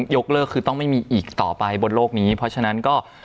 ยกเลิกคือต้องไม่มีอีกต่อไปบนโลกนี้เพราะฉะนั้นก็